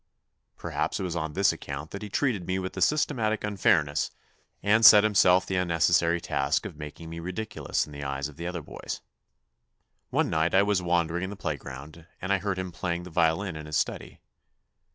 Perhaps it was on this account that he treated me with systematic unfairness and set himself the unnecessary task of making me ridiculous in the eyes of the other boys. One night I was wandering in the playground and heard him playing the violin in his study.